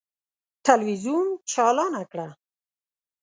تلویزون چالانه کړه!